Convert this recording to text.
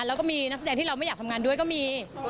แล้วก็มีนักแสดงที่เราไม่อยากทำงานด้วยก็มี